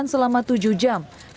pemeriksaan selama tujuh jam